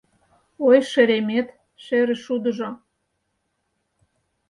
Ой, шеремет, шерышудыжо